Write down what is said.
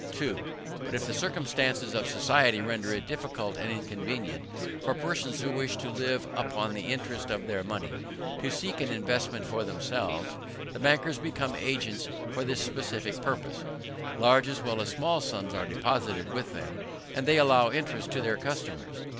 2. But if the circumstances of society render it difficult and inconvenient for persons who wish to live upon the interest of their money, to seek an investment for themselves, the bankers become agents for this specific purpose: large as well as small sums are deposited with them, and they allow interest to their customers.